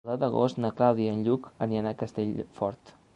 El deu d'agost na Clàudia i en Lluc iran a Castellfort.